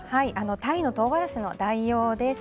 タイのとうがらしの代用です。